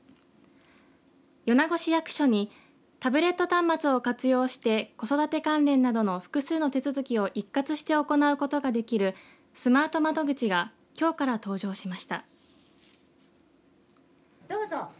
米子市役所にタブレット端末を活用して子育て関連などの複数の手続きを一括して行うことができるスマート窓口がきょうから登場しました。